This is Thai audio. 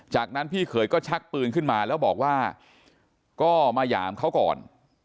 จากนั้นพี่เขยก็ชักปืนขึ้นมาแล้วบอกว่าก็มาหยามเขาก่อน